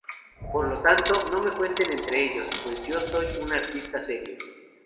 Por lo tanto, no me cuenten entre ellos, pues yo soy un artista serio.